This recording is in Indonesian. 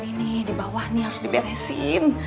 ini nih dibawah harus diberesin